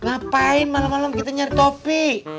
ngapain malem malem kita nyari topi